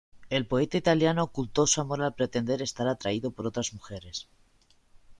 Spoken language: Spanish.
El poeta italiano ocultó su amor al pretender estar atraído por otras mujeres.